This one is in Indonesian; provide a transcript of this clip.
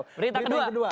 berita yang kedua